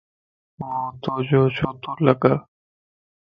ووتو جو ڇو تو لڳ؟